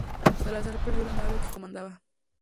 Salazar perdió la nave que comandaba.